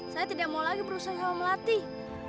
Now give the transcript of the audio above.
saya tidak mau lagi berusaha melatih